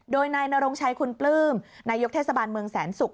โดยนายนรงชัยคุณปลื้มนายกเทศบาลเมืองแสนศุกร์